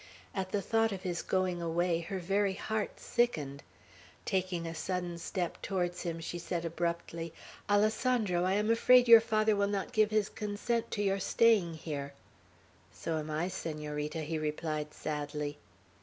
At the thought of his going away, her very heart sickened. Taking a sudden step towards him, she said abruptly, "Alessandro, I am afraid your father will not give his consent to your staying here." "So am I, Senorita," he replied sadly.